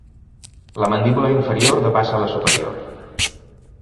La mandíbula inferior depassa la superior.